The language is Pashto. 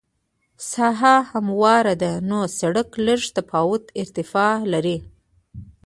ساحه همواره ده نو سرک لږ تفاوت د ارتفاع لري